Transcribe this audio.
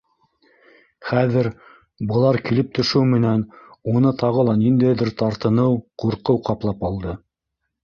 Хәҙер, былар килеп төшөү менән, уны тағы ла ниндәйҙер тартыныу, ҡурҡыу ҡаплап алды.